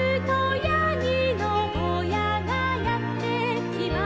「やぎのぼうやがやってきます」